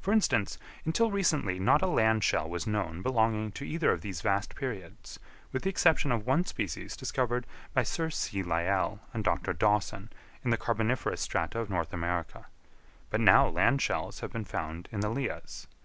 For instance, until recently not a land shell was known belonging to either of these vast periods, with the exception of one species discovered by Sir C. Lyell and Dr. Dawson in the carboniferous strata of North America; but now land shells have been found in the lias.